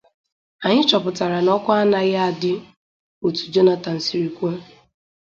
anyị chọpụtara na ọkụ anaghị adị otu Jonathan siri kwu.